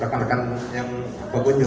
rekan rekan yang berbunyi